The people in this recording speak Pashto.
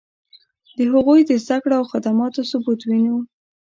د هغوی د زدکړو او خدماتو ثبوت وینو.